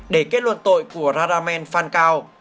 để kết luận tội của radamen phan cao